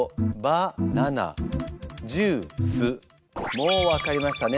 もう分かりましたね。